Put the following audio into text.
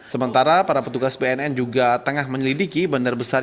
sementara para petugas bnn juga tengah menyelidiki bandar besar